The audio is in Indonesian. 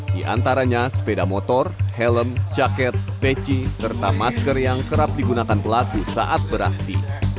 di antaranya sepeda motor helm jaket peci serta masker yang kerap digunakan pelaku saat beraksi